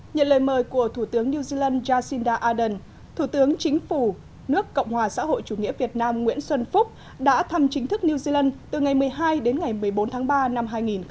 nhận lời mời của thủ tướng new zealand jacinda ardern thủ tướng chính phủ nước cộng hòa xã hội chủ nghĩa việt nam nguyễn xuân phúc đã thăm chính thức new zealand từ ngày một mươi hai đến ngày một mươi bốn tháng ba năm hai nghìn một mươi chín